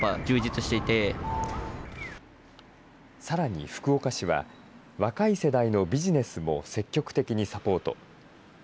さらに福岡市は、若い世代のビジネスも積極的にサポート。